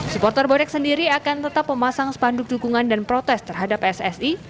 supporter bonek sendiri akan tetap memasang spanduk dukungan dan protes terhadap pssi